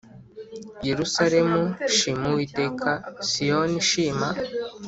Yerusalemu shima Uwiteka Siyoni shima